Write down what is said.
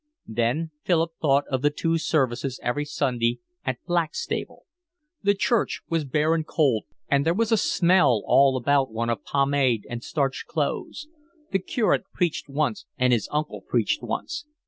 Then Philip thought of the two services every Sunday at Blackstable. The church was bare and cold, and there was a smell all about one of pomade and starched clothes. The curate preached once and his uncle preached once.